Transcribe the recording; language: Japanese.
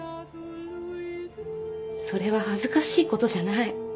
それは恥ずかしいことじゃない